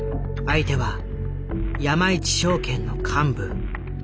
相手は山一証券の幹部。